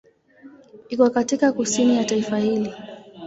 Iko katika kusini ya taifa hili.